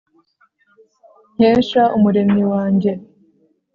nkesha umuremyi wanjye